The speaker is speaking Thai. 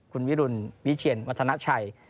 คุณวิดุลวิชญันวัฒนชัย